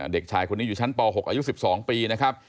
เด็กชายคนนี้อยู่ชั้นป๖อายุ๑๒ปีนะครับ